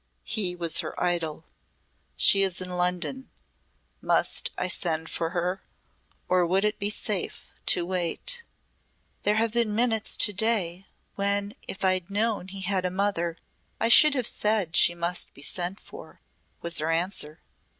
He was her idol. She is in London. Must I send for her or would it be safe to wait?" "There have been minutes to day when if I'd known he had a mother I should have said she must be sent for," was her answer.